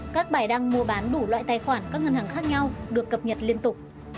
các bài đăng mua bán đủ loại tài khoản các ngân hàng khác nhau được cập nhật liên tục